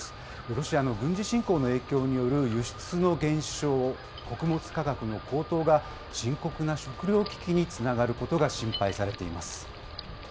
ロシアの軍事侵攻の影響による輸出の減少、穀物価格の高騰が、深刻な食料危機につながることが心配されています。